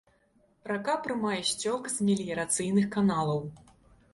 Рака прымае сцёк з меліярацыйных каналаў.